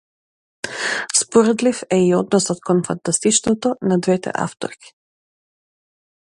Споредлив е и односот кон фантастичното на двете авторки.